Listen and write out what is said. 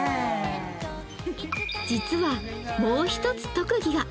実は、もう一つ特技が。